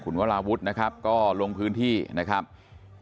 คุณวราวุฒิศิลปะอาชาหัวหน้าภักดิ์ชาติไทยพัฒนา